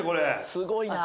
すごいなぁ。